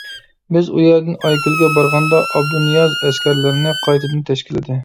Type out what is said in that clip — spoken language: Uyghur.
بىز ئۇيەردىن ئايكۆلگە بارغاندا ئابدۇنىياز ئەسكەرلىرىنى قايتىدىن تەشكىللىدى.